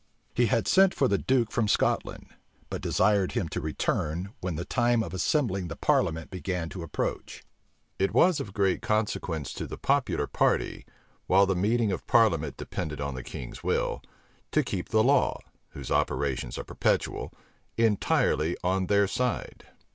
He had sent for the duke from Scotland; but desired him to return, when the time of assembling the parliament began to approach. It was of great consequence to the popular party, while the meeting of parliament depended on the king's will, to keep the law, whose operations are perpetual, entirely on their side.